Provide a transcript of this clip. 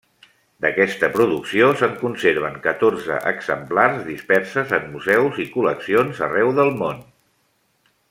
D'aquesta producció se'n conserven catorze exemplars disperses en museus i col·leccions arreu del món.